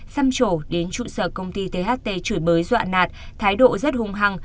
xăm trổ đến trụ sở công ty tht chửi bới dọa nạt thái độ rất hung hăng